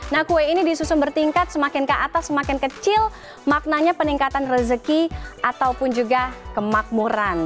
nah kue ini disusun bertingkat semakin ke atas semakin kecil maknanya peningkatan rezeki ataupun juga kemakmuran